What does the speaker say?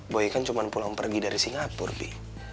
boy kan cuma pulang pergi dari singapur bi